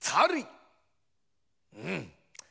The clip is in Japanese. うん！